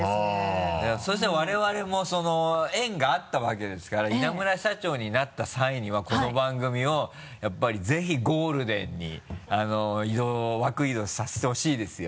そしたら我々も縁があったわけですから稲村社長になった際にはこの番組をやっぱりぜひゴールデンに枠移動させてほしいですよ。